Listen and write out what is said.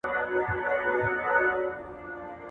ناپوهي تعصب ته وده ورکوي